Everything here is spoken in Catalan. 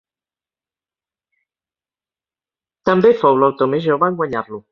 També fou l'autor més jove en guanyar-lo.